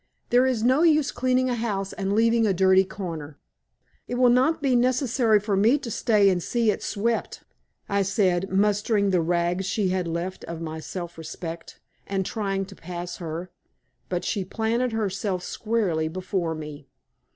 There is no use cleaning a house and leaving a dirty corner." "It will not be necessary for me to stay and see it swept," I said, mustering the rags she had left of my self respect, and trying to pass her. But she planted herself squarely before me.